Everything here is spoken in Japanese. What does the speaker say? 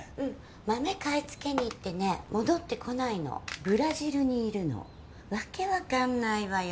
豆買い付けに行ってね戻ってこないのブラジルにいるのわけ分かんないわよ